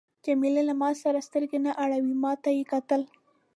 جميله له ما څخه سترګې نه اړولې، ما ته یې کتل.